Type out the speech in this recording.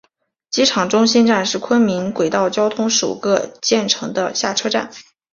机场中心站是昆明轨道交通首个建成地下车站。